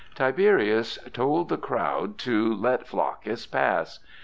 Tiberius told the crowd to let Flaccus pass.